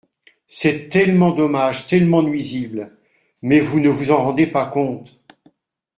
C’est tellement dommage, tellement nuisible ! Mais vous ne vous en rendez pas compte.